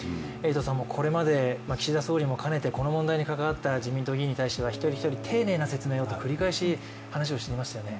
これまで岸田総理もかねてこの問題に関わった自民党議員に対しては、一人一人丁寧な説明をと繰り返し話されていましたね。